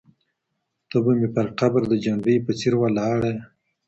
ته به مي پر قبر د جنډۍ په څېر ولاړه یې